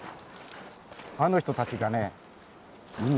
あの人たちがね。